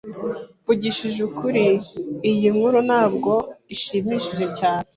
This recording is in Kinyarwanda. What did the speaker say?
Mvugishije ukuri, iyi nkuru ntabwo ishimishije cyane.